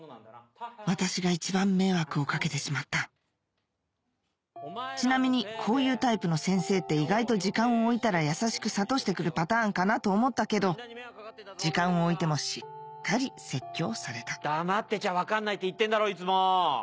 私が一番迷惑をかけてしまったちなみにこういうタイプの先生って意外と時間を置いたら優しく諭してくるパターンかなと思ったけど時間を置いてもしっかり説教された黙ってちゃ分かんないって言ってんだろいつも。